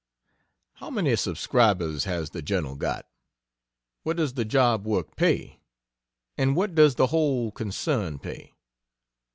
How many subscribers has the Journal got? What does the job work pay? and what does the whole concern pay?...